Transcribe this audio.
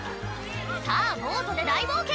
「さぁボートで大冒険！」